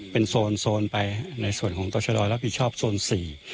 เป็นโซนโซนไปในส่วนของต่อชะดอยรับผิดชอบโซนสี่